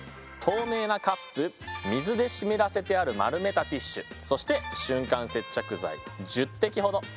透明なカップ水で湿らせてある丸めたティッシュそして瞬間接着剤１０滴ほど。